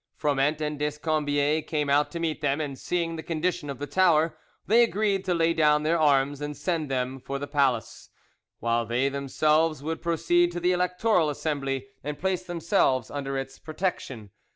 Froment and Descombiez came out to meet them, and seeing the condition of the tower, they agreed to lay down their arms and send them for the palace, while they themselves would proceed to the Electoral Assembly and place themselves under its protection.